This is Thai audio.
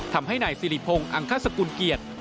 ทำให้นายสิริพงศ์อังคสกุลเกียรติ